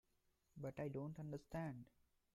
But I don't understand.